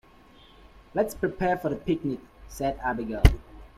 "Let's prepare for the picnic!", said Abigail.